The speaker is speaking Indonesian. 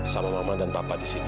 sama mama dan papa di sini